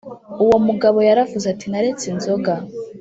Uwo mugabo yaravuze ati naretse inzoga